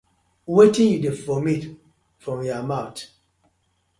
Wetin yu dey vomit for mouth.